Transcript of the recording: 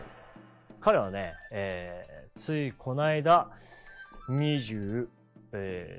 彼はねついこの間２３歳。